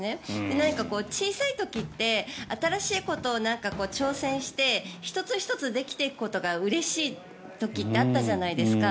何か小さい時って新しいことに挑戦して１つ１つできていくことがうれしい時ってあったじゃないですか。